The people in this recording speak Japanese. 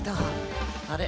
あれ？